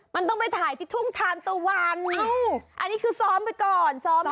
มันต้องไปถ่ายที่ทุ่งทานตะวันอันนี้คือซ้อมไปก่อนซ้อม